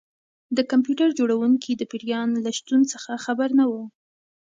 د کمپیوټر جوړونکی د پیریان له شتون څخه خبر نه و